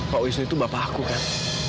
pak wisnu itu bapak aku kan